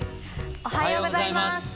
おはようございます。